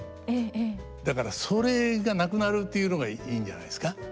だからそれがなくなるというのがいいんじゃないですか。